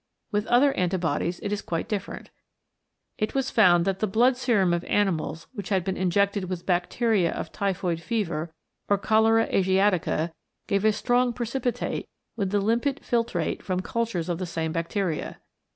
With other anti bodies it is quite different. It was found that the blood serum of animals which had been injected with bacteria of typhoid fever or cholera asiatica gave a strong precipitate with the limpid nitrate from cultures of the same bacteria.